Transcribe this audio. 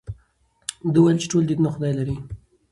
ده وویل چې ټول دینونه خدای لري.